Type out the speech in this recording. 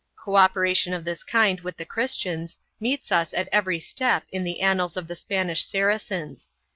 1 Co operation of this kind with the Christians meets us at every step in the annals of the Spanish Saracens.